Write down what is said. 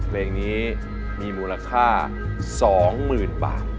เพลงนี้มีมูลค่า๒หมื่นบาท